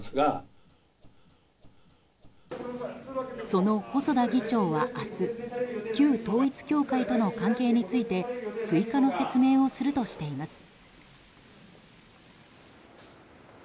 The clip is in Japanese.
その細田議長は明日旧統一教会との関係について追加の説明をするとしています。